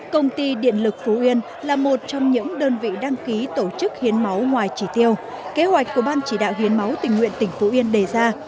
công ty điện lực phú yên là một trong những đơn vị đăng ký tổ chức hiến máu ngoài chỉ tiêu kế hoạch của ban chỉ đạo hiến máu tình nguyện tỉnh phú yên đề ra